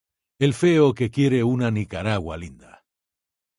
El feo que quiere una Nicaragua linda"".